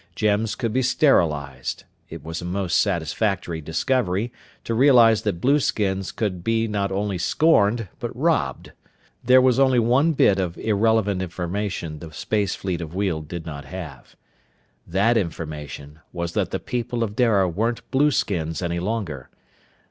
Gems could be sterilized. It was a most satisfactory discovery, to realize that blueskins could be not only scorned but robbed. There was only one bit of irrelevant information the space fleet of Weald did not have. That information was that the people of Dara weren't blueskins any longer.